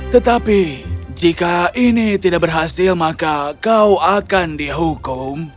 tetapi jika ini tidak berhasil maka kau akan dihukum